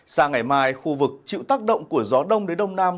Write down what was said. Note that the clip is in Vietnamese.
sáng ngày mai khu vực chịu tác động của gió đông đến đông nam